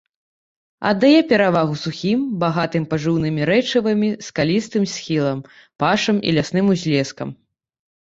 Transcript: Аддае перавагу сухім, багатым пажыўнымі рэчывамі, скалістым схілам, пашам і лясным узлескам.